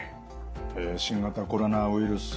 新型コロナウイルス